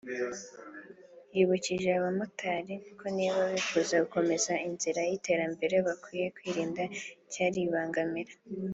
yibukije abamotari ko niba bifuza gukomeza inzira y’iterambere bakwiye kwirinda icyaribangamira